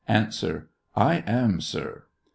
I am, sir. Q.